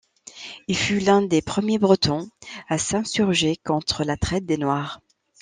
Il fut l'un des premiers bretons à s'insurger contre la traite des Noirs.